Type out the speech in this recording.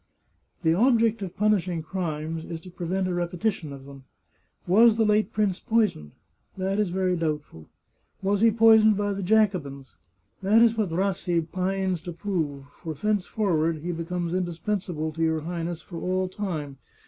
" The object of punishing crimes is to prevent a repe tition of them. Was the late prince poisoned ? That is very doubtful. Was he poisoned by the Jacobins ? That is what Rassi pines to prove; for thenceforward he becomes indis pensable to your Highness for all time.